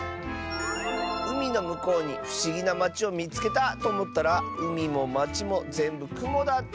「うみのむこうにふしぎなまちをみつけたとおもったらうみもまちもぜんぶくもだった」。